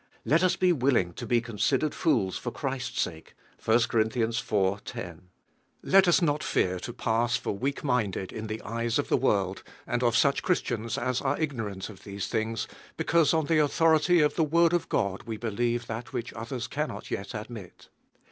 Let us be willing to be considered fools for Christ's sake (I. Cor. iv. 10). Let us not fear to pass for weak minded in the eyes of the world and of such Christians as are ignorant ol these things, because, on the authority of the Word of God we believe that which others cannot yel admit.